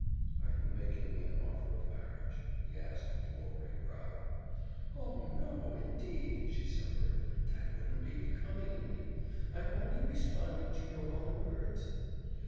"Are you making me an offer of marriage?" he asked with lowering brow. "Oh, no, indeed!" she simpered. "That wouldn't be becoming in me. I'm only responding to your own words."